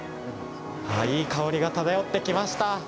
いい香りが漂ってきました。